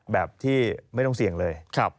แบบที่ไม่ต้องเสี่ยงเลย